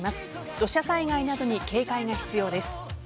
土砂災害などに警戒が必要です。